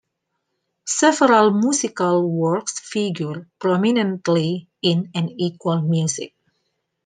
Several musical works figure prominently in "An Equal Music".